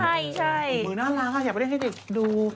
ใช่น่ารักค่ะอยากไปเล่นให้เด็กดู